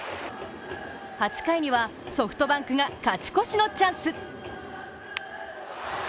８回にはソフトバンクが勝ち越しのチャンス。